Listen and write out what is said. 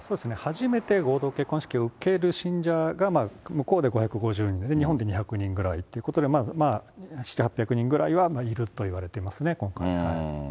初めて合同結婚式を受ける信者が向こうで５５０人、日本で２００人ぐらいということで、７、８００人ぐらいはいるといわれていますね、今回。